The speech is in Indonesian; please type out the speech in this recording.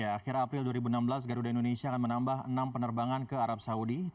akhir april dua ribu enam belas garuda indonesia akan menambah enam penerbangan ke arab saudi